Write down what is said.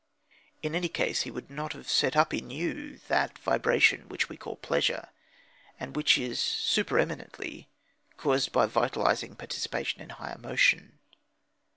In any case, he would not have set up in you that vibration which we call pleasure, and which is super eminently caused by vitalising participation in high emotion.